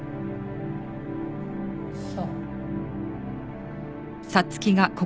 そう。